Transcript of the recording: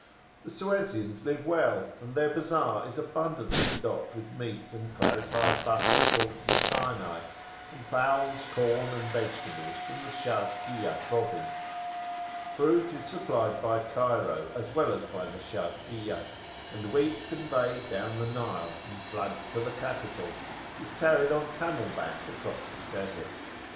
The Suezians live well, and their bazar is abundantly stocked with meat and clarified butter brought from Sinai, and fowls, corn, and vegetables from the Sharkiyah province; fruit is supplied by Cairo as well as by the Sharkiyah, and wheat conveyed down the Nile in flood to the capital is carried on camel back across the Desert.